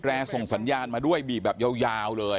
ส่งสัญญาณมาด้วยบีบแบบยาวเลย